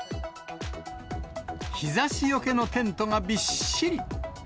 日ざしよけのテントがびっしり。